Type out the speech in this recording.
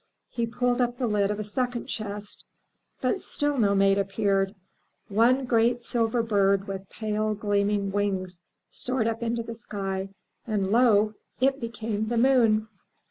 He pulled up the lid of a second chest. But still no maiden appeared. One great silver bird with pale, gleaming wings soared up into the sky and lo! it became the moon.